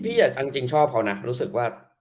จริงชอบเขานะรู้สึกว่า